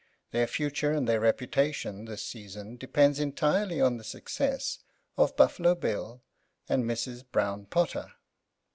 Their future and their reputation this season depend entirely on the success of Buffalo Bill and Mrs. Brown Potter.